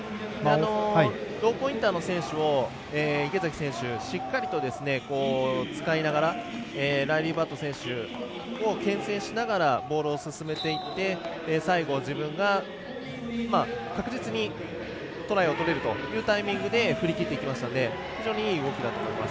ローポインターの選手も池崎選手、しっかりと使いながらライリー・バット選手をけん制しながらボールを進めていって最後、自分が確実にトライを取れるというタイミングで振り切っていきましたので非常にいい動きだったと思います。